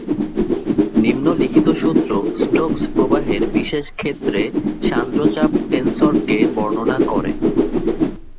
নিম্নলিখিত সূত্র স্টোকস-প্রবাহের বিশেষ ক্ষেত্রে সান্দ্র-চাপ-টেনসরকে বর্ণনা করে।